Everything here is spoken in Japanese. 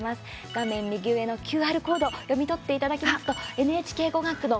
画面右上のＱＲコードを読み取っていただきますと「ＮＨＫゴガクの」